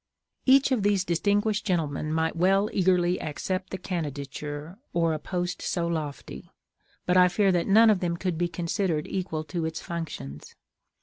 _ Each of these distinguished gentlemen might well eagerly accept the candidature or a post so lofty: but I fear that none of them could be considered equal to its functions.